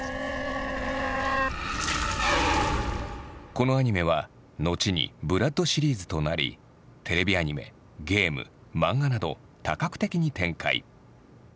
このアニメは後に「ＢＬＯＯＤ」シリーズとなりテレビアニメゲーム漫画など多角的に展開。